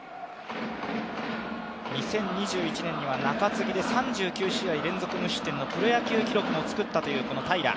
２０２１年には中継ぎで３９試合連続無失点のプロ野球記録も作ったという平良。